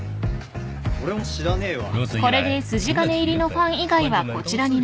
俺も知らねえわ